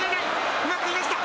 うまくいなした。